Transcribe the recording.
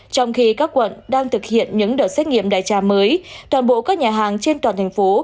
trong khi các quận đang thực hiện những đợt xét nghiệm đại trà mới toàn bộ các nhà hàng trên toàn thành phố